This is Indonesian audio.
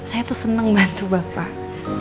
saya tuh senang bantu bapak